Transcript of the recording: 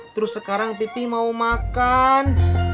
terus sekarang pipi mau makan